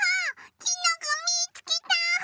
きのこみつけた！